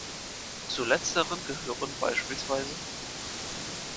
Zu letzteren gehören bspw.